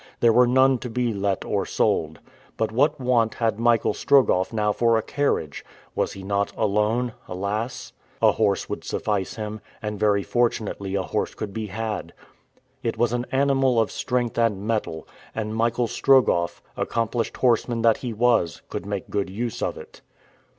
There were none to be let or sold. But what want had Michael Strogoff now for a carriage? Was he not alone, alas? A horse would suffice him; and, very fortunately, a horse could be had. It was an animal of strength and mettle, and Michael Strogoff, accomplished horseman as he was, could make good use of it.